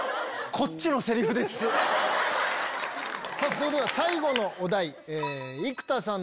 それでは最後のお題。